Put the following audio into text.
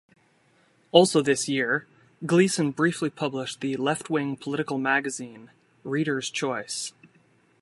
Also that year, Gleason briefly published the left-wing political magazine "Reader's Choice".